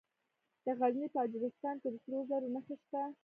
د غزني په اجرستان کې د سرو زرو نښې شته.